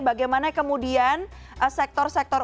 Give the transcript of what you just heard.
bagaimana kemudian sektor sektor